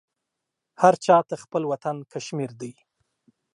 هر چا ته خپل وطن کشمیر دی.